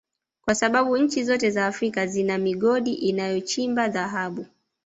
kwa sababu nchi zote za Afrika zina migodi inayochimba Dhahabu